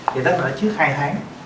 thì tức là ở trước hai tháng